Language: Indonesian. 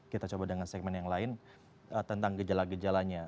kita coba dengan segmen yang lain tentang gejala gejalanya